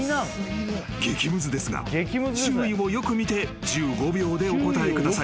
［激ムズですが周囲をよく見て１５秒でお答えください］